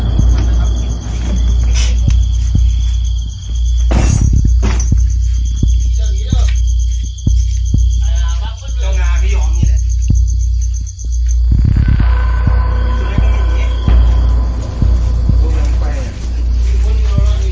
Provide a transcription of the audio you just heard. ดินเมียในอัตภัยต่อไปช่วงคลับวันละครั้งถึงวันฝรั่ง